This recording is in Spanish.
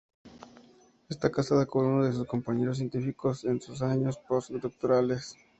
Está casada con uno de sus compañeros científicos en sus años pos-doctorales.